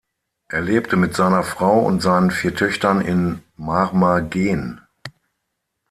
Er lebte mit seiner Frau und seinen vier Töchtern in Marmagen.